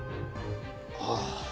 ああ